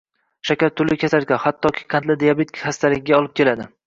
shakar turli kasalliklarga, hattoki qandli diabet xastaligiga olib keladi.